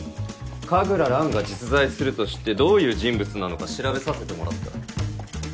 神楽蘭が実在すると知ってどういう人物なのか調べさせてもらった。